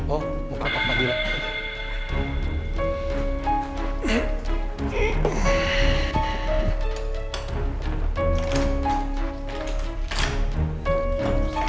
oh muka pak madi lah